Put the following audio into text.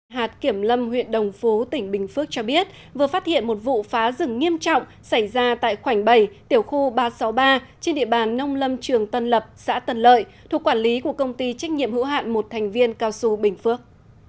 hạt kiểm lâm huyện đồng phú tỉnh bình phước cho biết vừa phát hiện một vụ phá rừng nghiêm trọng xảy ra tại khoảnh bầy tiểu khu ba trăm sáu mươi ba trên địa bàn nông lâm trường tân lập xã tân lợi thuộc quản lý của công ty trách nhiệm hữu hạn một thành viên cao su bình phước